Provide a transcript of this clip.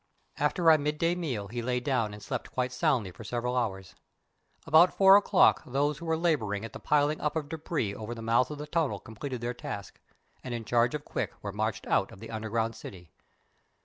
After our midday meal he lay down and slept quite soundly for several hours. About four o'clock those who were labouring at the piling up of débris over the mouth of the tunnel completed their task, and, in charge of Quick, were marched out of the underground city.